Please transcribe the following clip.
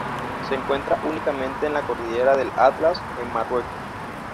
Se encuentra únicamente en la cordillera del Atlas, en Marruecos.